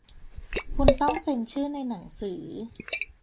คุณต้องเซ็นชื่อในหนังสือ